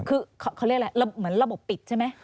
เค้าเรียกอะไรละบบปิดใช่ไหม